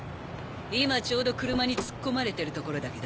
今ちょうど車に突っ込まれてるところだけど。